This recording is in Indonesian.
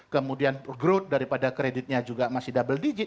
kemudian growth daripada kreditnya juga masih double digit